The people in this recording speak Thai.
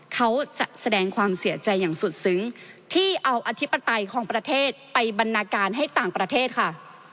แสดงความเสียใจอย่างสุดซึ้งที่เอาอธิปไตยของประเทศไปบรรณาการให้ต่างประเทศค่ะ